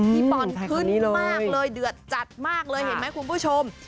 พี่บอลขึ้นมากเลยเดือดจัดมากเลยเห็นไหมคุณผู้ชม